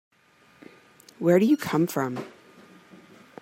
Where do you come from?